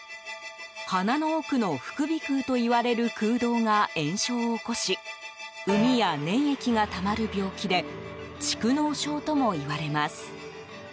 鼻の奥の副鼻腔といわれる空洞が炎症を起こし膿や粘液がたまる病気で蓄膿症ともいわれます。